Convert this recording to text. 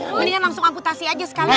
mendingan langsung amputasi aja sekalian